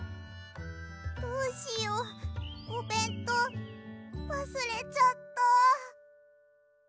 どうしようおべんとうわすれちゃった。